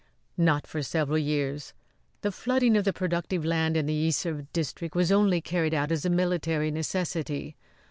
"Not for several years. The flooding of the productive land in the Yser district was only carried out as a military necessity.